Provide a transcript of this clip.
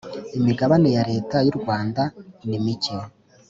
imigabane ya Leta y ‘u Rwanda nimike.